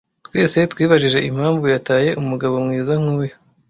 Twese twibajije impamvu yataye umugabo mwiza nkuyu.